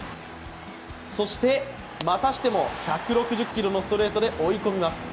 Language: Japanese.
そしてまたしても１６０キロのストレートで追い込みます。